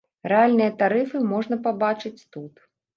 Рэальныя тарыфы можна пабачыць тут.